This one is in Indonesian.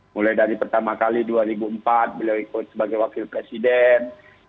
mulai dari pertama kali dua ribu empat beliau ikut sebagai wakil presiden